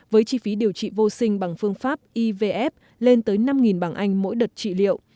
với chi phí điều trị vô sinh bằng phương pháp ivf lên tới năm bằng anh mỗi đợt trị liệu